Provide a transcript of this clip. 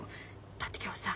だって今日さ